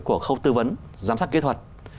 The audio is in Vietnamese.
của khâu tư vấn giám sát kỹ thuật